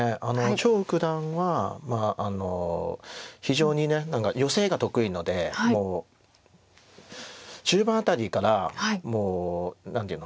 張栩九段は非常にヨセが得意なのでもう中盤あたりから何ていうの。